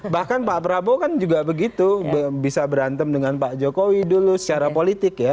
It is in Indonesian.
bahkan pak prabowo kan juga begitu bisa berantem dengan pak jokowi dulu secara politik ya